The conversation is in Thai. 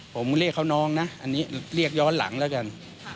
ผมเรียกเขาน้องนะอันนี้เรียกย้อนหลังแล้วกัน